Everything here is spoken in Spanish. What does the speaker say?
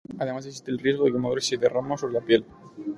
Además existe el riesgo de quemadura si se derrama sobre la piel.